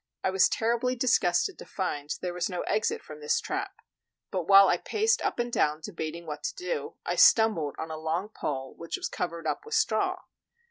I was terribly disgusted to find there was no exit from this trap; but while I paced up and down debating what to do, I stumbled on a long pole which was covered up with straw.